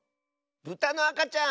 ブタのあかちゃん！